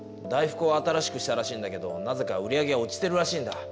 大福を新しくしたらしいんだけどなぜか売り上げが落ちてるらしいんだ。